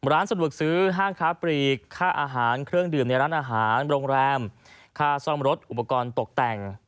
ร้านสะดวกซื้อห้างค้าปลีกค่าอาหารเครื่องดื่มในร้านอาหารโรงแรมค่าซ่อมรถอุปกรณ์ตกแต่ง